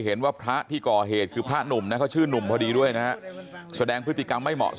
เห็นว่าพระที่ก่อเหตุคือพระหนุ่มนะเขาชื่อหนุ่มพอดีด้วยนะฮะแสดงพฤติกรรมไม่เหมาะสม